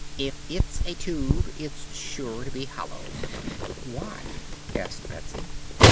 "If it's a tube, it's sure to be hollow." "Why?" asked Betsy.